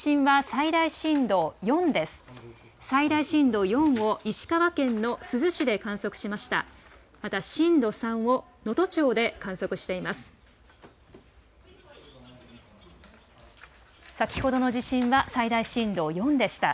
最大震度４を石川県の珠洲市で観測しました。